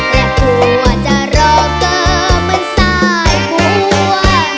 แต่กลัวจะรอก็มันสายกลัว